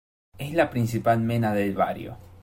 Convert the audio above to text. Es la principal mena del bario.